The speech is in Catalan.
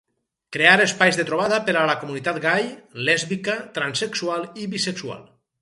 Crear espais de trobada per a la comunitat gai, lèsbica, transsexual i bisexual.